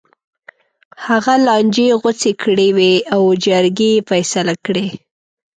هغه لانجې غوڅې کړې وې او جرګې یې فیصله کړې.